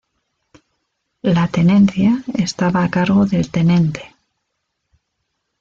La tenencia estaba a cargo del tenente.